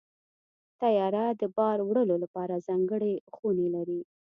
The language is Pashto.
طیاره د بار وړلو لپاره ځانګړې خونې لري.